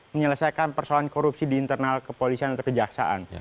menyelesaikan persoalan korupsi di internal kepolisian atau kejaksaan